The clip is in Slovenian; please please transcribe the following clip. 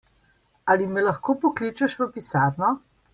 Ali me lahko pokličeš v pisarno?